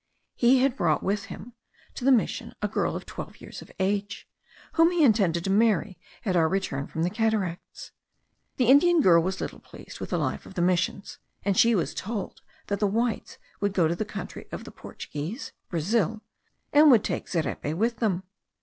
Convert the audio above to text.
He had brought with him to the mission a girl of twelve years of age, whom he intended to marry at our return from the Cataracts. The Indian girl was little pleased with the life of the missions, and she was told that the whites would go to the country of the Portuguese (Brazil), and would take Zerepe with them.